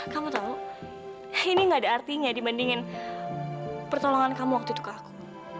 kamu tahu ini gak ada artinya dibandingin pertolongan kamu waktu itu ke aku